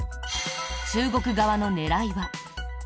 中国側の狙いは？